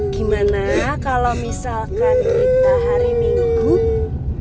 gimana kalau misalkan kita hari minggu kita nonton sirkus ya